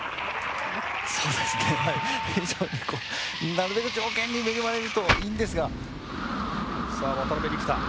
そうですね、なるべく条件に恵まれるといいんですが。